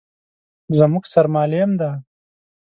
_زموږ سر معلم دی.